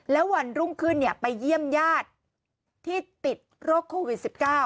แล้ววันรุ่งขึ้นไปเยี่ยมญาติที่ติดโรคโควิด๑๙